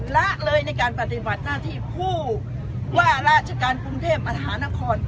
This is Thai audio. ละเลยในการปฏิบัติหน้าที่ผู้ว่าราชการกรุงเทพมหานคร